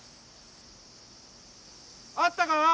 あったか？